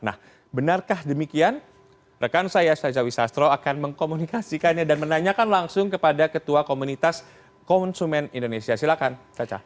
nah benarkah demikian rekan saya caca wisastro akan mengkomunikasikannya dan menanyakan langsung kepada ketua komunitas konsumen indonesia silahkan caca